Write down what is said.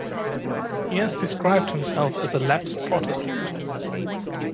He has described himself as a lapsed Protestant.